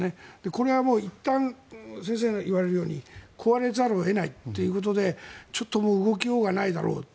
これはいったん、先生がおっしゃるように壊れざるを得ないということでちょっと動きようがないだろうって。